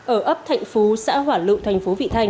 ở ấp thành phố xã hỏa lựu